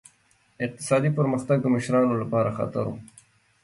اقتصادي پرمختګ د مشرانو لپاره خطر و.